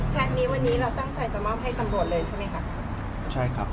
นี้วันนี้เราตั้งใจจะมอบให้ตำรวจเลยใช่ไหมคะใช่ครับ